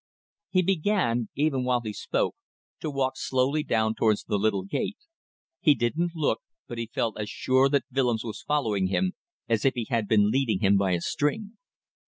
He began, even while he spoke, to walk slowly down towards the little gate. He didn't look, but he felt as sure that Willems was following him as if he had been leading him by a string.